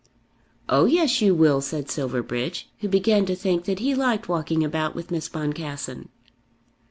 "Oh yes, you will," said Silverbridge, who began to think that he liked walking about with Miss Boncassen.